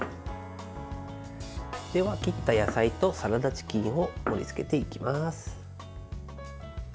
では、切った野菜とサラダチキンを盛りつけていきます。